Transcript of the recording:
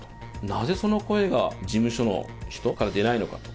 なぜ、その声が事務所の人から出ないのかと。